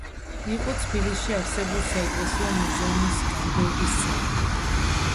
იყო თბილისში არსებულ საეკლესიო მუზეუმის გამგეობის წევრი.